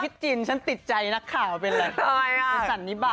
พออีกหนึ่งนี่เขารักแม่มากเลยนะ